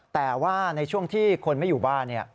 แต่ว่าในช่วงที่คนไม่อยู่บ้าน